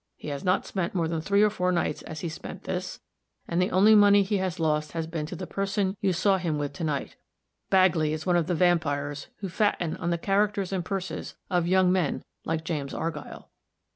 He has not spent more than three or four nights as he spent this; and the only money he has lost has been to the person you saw him with to night. Bagley is one of the vampires who fatten on the characters and purses of young men like James Argyll."